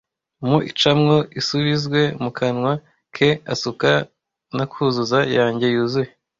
Mu icamwo isubizwe mu kanwa ke Asuka na kuzuza yanjye yuzuye.